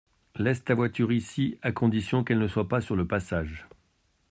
Laisse ta voiture ici à condition qu’elle ne soit pas sur le passage.